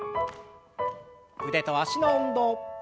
腕と脚の運動。